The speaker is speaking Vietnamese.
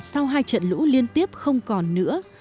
sau hai trận lũ liên tiếp không còn nữa